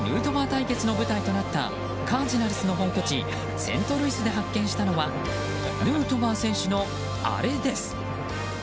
対決の舞台となったカージナルスの本拠地セントルイスで発見したのはヌートバー選手のあれです。